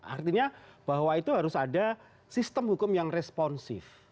artinya bahwa itu harus ada sistem hukum yang responsif